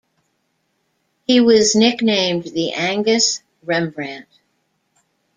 He was nicknamed "The Angus Rembrandt".